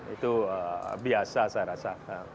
itu biasa saya rasa